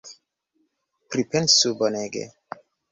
Pripensu bonege!